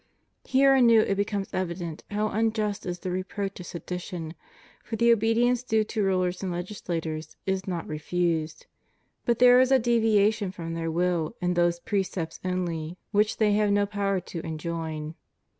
Here anew it becomes evident how unjust is the reproach of sedition: for the obedience due to rulers and legislators is not refused; but there is a deviation from their will in those precepts only which they have no power to enjoin.